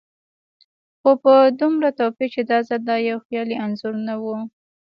خو په دومره توپير چې دا ځل دا يو خيالي انځور نه و.